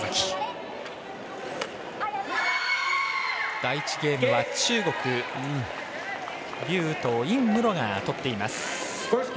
第１ゲームは中国、劉禹とう、尹夢ろが取っています。